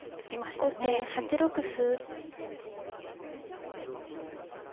後手８六歩。